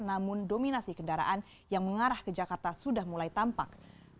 namun dominasi kendaraan yang mengarah ke jakarta sudah mulai tampak